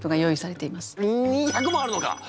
２００もあるのか！